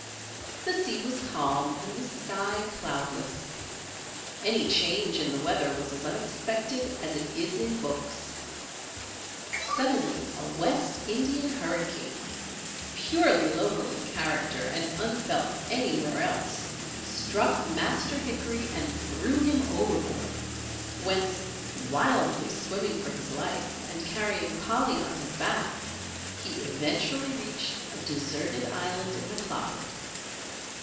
The sea was calm and the sky cloudless. Any change in the weather was as unexpected as it is in books. Suddenly a West Indian Hurricane, purely local in character and unfelt anywhere else, struck Master Hickory and threw him overboard, whence, wildly swimming for his life and carrying Polly on his back, he eventually reached a Desert Island in the closet.